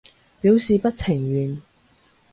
表示不情願